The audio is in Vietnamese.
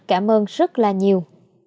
cảm ơn rất là nhiều